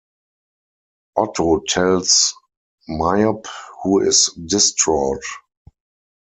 Otto tells Miep, who is distraught.